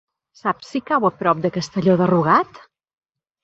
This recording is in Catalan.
Saps si cau a prop de Castelló de Rugat?